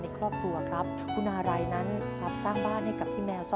ขอบคุณครับ